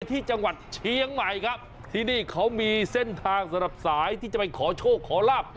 ที่จังหวัดเชียงใหม่ครับที่นี่เขามีเส้นทางสำหรับสายที่จะไปขอโชคขอลาบ